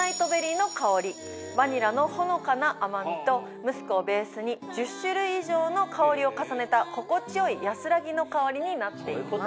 バニラのほのかな甘みとムスクをベースに１０種類以上の香りを重ねた心地よい安らぎの香りになっています。